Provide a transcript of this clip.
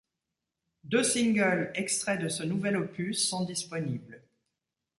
Deux singles extraits de ce nouvel opus sont disponibles.